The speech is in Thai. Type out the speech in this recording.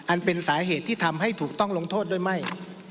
เป็นสาเหตุที่ทำให้ถูกต้องลงโทษด้วยไม่